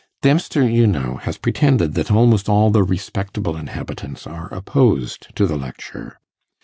Dempster, you know, has pretended that almost all the respectable inhabitants are opposed to the lecture.